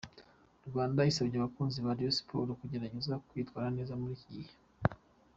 Rwanda isabye abakunzi ba Rayon Sports kugerageza kwitwara neza muri iki gihe,.